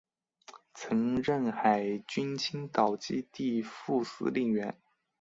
曾任海军青岛基地副司令员。